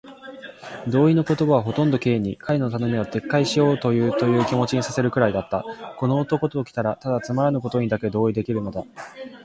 同意の言葉はほとんど Ｋ に、彼の頼みを撤回しようというという気持にさせるくらいだった。この男ときたら、ただつまらぬことにだけ同意できるのだ。